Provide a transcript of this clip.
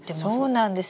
そうなんです。